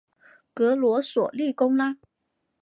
格罗索立功啦！